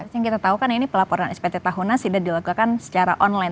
yang kita tahu kan ini pelaporan spt tahunan sudah dilakukan secara online